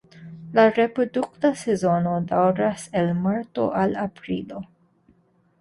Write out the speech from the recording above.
La reprodukta sezono daŭras el marto al aprilo.